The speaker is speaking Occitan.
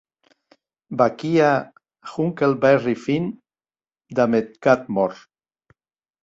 Vaquí a Huckleberry Finn damb eth gat mòrt.